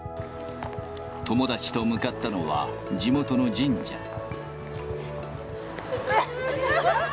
友達と向かったのは、地元の神社。